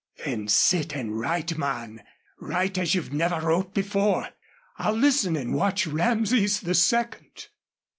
"Then sit and write, man. Write as you never wrote before. I'll listen and watch Rameses the Second."